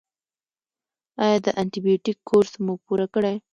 ایا د انټي بیوټیک کورس مو پوره کړی؟